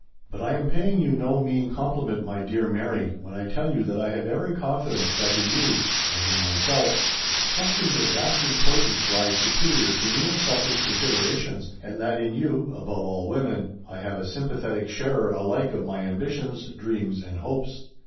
But I am paying you no mean compliment, my dear Mary, when I tell you that I have every con fidence that in you, as in myself, questions of vast importance rise superior to mere selfish considerations, and that in you, above all women, I have a sympathetic sharer alike of my ambitions, dreams, and hopes.